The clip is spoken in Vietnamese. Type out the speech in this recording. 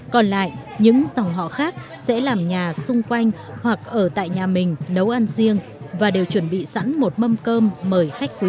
còn lại những dòng họ khác sẽ làm nhà xung quanh hoặc ở tại nhà mình nấu ăn riêng và đều chuẩn bị sẵn một mâm cơm mời khách quý